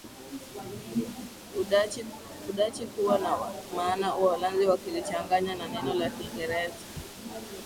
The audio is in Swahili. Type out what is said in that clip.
Udachi kuwa na maana Uholanzi wakilichanganya na neno la kiingereza